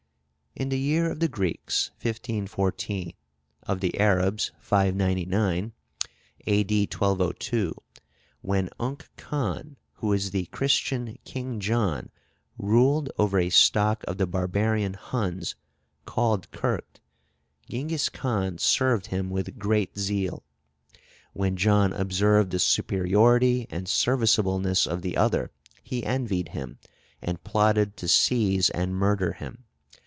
"In the year of the Greeks 1514, of the Arabs 599 (A. D. 1202), when Unk Khan, who is the Christian King John, ruled over a stock of the barbarian Hunns, called Kergt, Tschingys Khan served him with great zeal. When John observed the superiority and serviceableness of the other, he envied him, and plotted to seize and murder him.